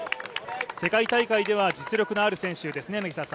世界大会では実力のある選手ですね。